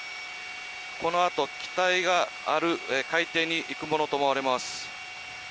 このあと、機体がある海底に行くものと思われます。